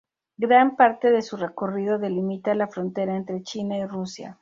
Gran parte de su recorrido delimita la frontera entre China y Rusia.